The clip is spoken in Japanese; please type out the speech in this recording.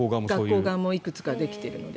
学校側もいくつかできてるので。